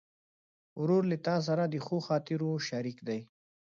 ورور له تا سره د ښو خاطرو شریک دی.